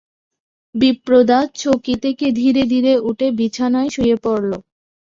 বিপ্রদাস চৌকি থেকে ধীরে ধীরে উঠে বিছানায় শুয়ে পড়ল।